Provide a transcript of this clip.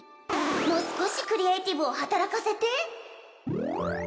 もう少しクリエイティブを働かせて